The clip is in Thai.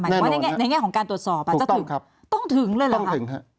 ถึงว่าในแง่ของการตรวจสอบจะถึงต้องถึงเลยเหรอคะ